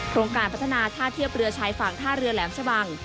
โครงการพัฒนาท่าเทียบเรือชายฝั่งท่าเรือแหลมชะบัง